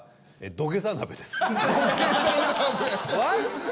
「土下座鍋」。